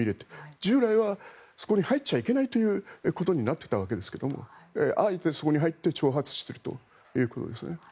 従来はそこに入っちゃいけないことになっていたんですがあえてそこに入って挑発しているということですね。